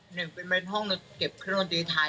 หนึ่งเป็นภารกิจกรรมในเครื่องดนตรีไทย